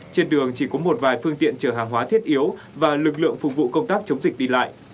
trên đường chỉ có một vài phương tiện chở hàng hóa thiết yếu và lực lượng phục vụ công tác chống dịch đi lại